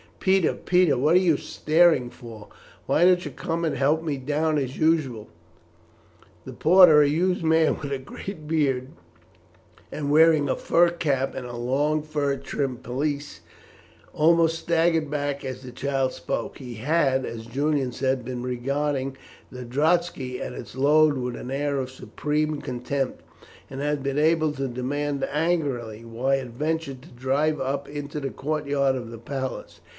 "Peter, Peter, what are you standing staring for? Why don't you come and help me down as usual?" The porter, a huge man with a great beard, and wearing a fur cap and a long fur trimmed pelisse, almost staggered back as the child spoke. He had, as Julian said, been regarding the droski and its load with an air of supreme contempt, and had been about to demand angrily why it ventured to drive up into the courtyard of the palace.